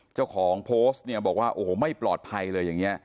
เจ้าของโพสต์เนี่ยบอกว่าโอ้โหไม่ปลอดภัยเลยอย่างนี้